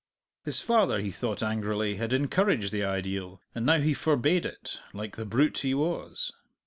His father, he thought angrily, had encouraged the ideal, and now he forbade it, like the brute he was.